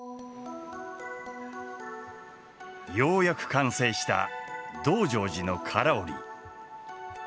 ようやく完成した「道成寺」の唐織。